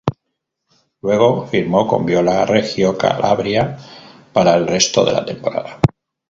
Luego, firmó con Viola Reggio Calabria para el resto de la temporada.